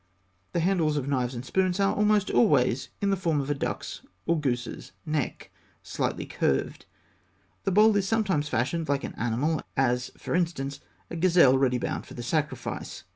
The handles of knives and spoons are almost always in the form of a duck's or goose's neck, slightly curved. The bowl is sometimes fashioned like an animal as, for instance, a gazelle ready bound for the sacrifice (fig.